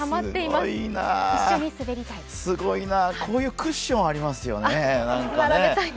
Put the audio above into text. すごいな、こういうクッションありますよね。